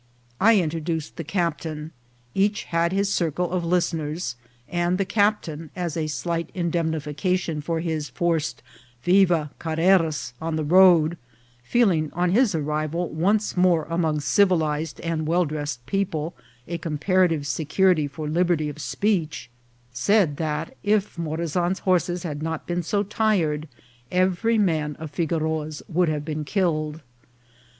I introduced the captain ; each had his circle of listeners ; and the cap tain, as a slight indemnification for his forced " Viva Carreras" on the road, feeling, on his arrival once more among civilized and well dressed people, a comparative ARRIVAL AT GUATIMALA. 107 security for liberty of speech, said that if Morazan's horses had not been so tired, every man of Figoroa's would have been killed.